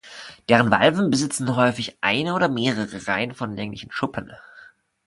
Deren Valven besitzen häufig eine oder mehrere Reihen von länglichen Schuppen.